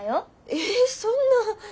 ええっそんな。